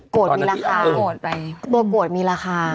โกดมีราคา